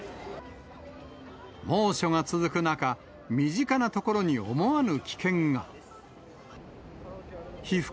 猛暑が続く中、身近なところに思わぬ危険が。